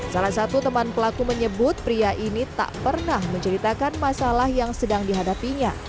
salah satu teman pelaku menyebut pria ini tak pernah menceritakan masalah yang sedang dihadapinya